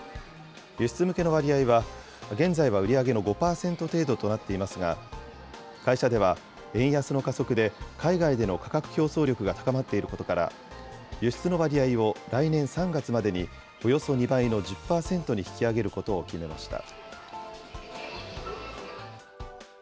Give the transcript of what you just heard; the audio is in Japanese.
輸出向けの割合は、現在は売り上げの５％程度となっていますが、会社では円安の加速で、海外での価格競争力が高まっていることから、輸出の割合を来年３月までに、およそ２倍の１０％に引き上げることを決めました。